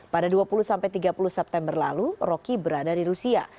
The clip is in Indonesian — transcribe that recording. pada dua puluh tiga puluh september lalu rocky berada di rusia